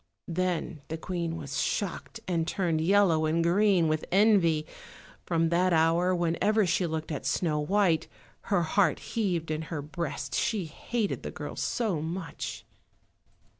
Then the Queen was shocked, and turned yellow and green with envy. From that hour, whenever she looked at Snow white, her heart heaved in her breast, she hated the girl so much.